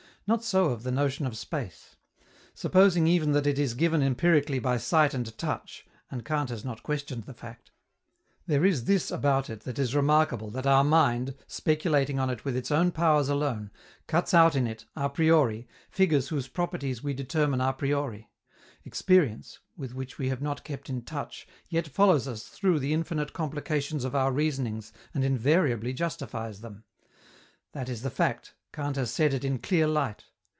Not so of the notion of space. Supposing even that it is given empirically by sight and touch (and Kant has not questioned the fact) there is this about it that is remarkable that our mind, speculating on it with its own powers alone, cuts out in it, a priori, figures whose properties we determine a priori: experience, with which we have not kept in touch, yet follows us through the infinite complications of our reasonings and invariably justifies them. That is the fact. Kant has set it in clear light.